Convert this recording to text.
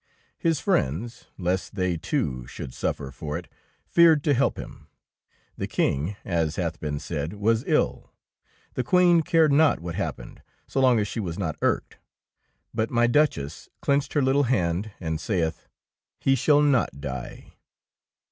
His friends, lest they too should suffer for H, feared to help him. The King, as hath been said, was ill ; the Queen cared not what happened so long as she was not irked. But my Duchess clenched her little hand and saith, —" He shall not die!"